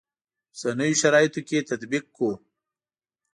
اوسنیو شرایطو کې تطبیق کړو.